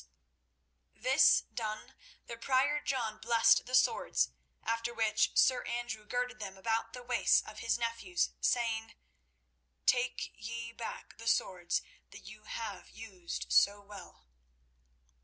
This done, the Prior John blessed the swords, after which Sir Andrew girded them about the waists of his nephews, saying: "Take ye back the swords that you have used so well."